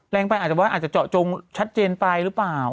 แรงไปอาจจะว่าอาจจะเจาะจงชัดเจนไปหรือเปล่า